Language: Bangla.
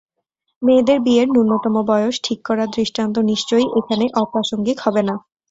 মেয়েদের বিয়ের ন্যূনতম বয়স ঠিক করার দৃষ্টান্ত নিশ্চয়ই এখানে অপ্রাসঙ্গিক হবে না।